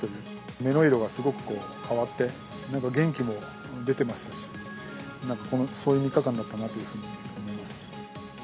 目の色がすごく変わって、なんか元気も出てましたし、なんかそういう３日間だったなというふうに思います。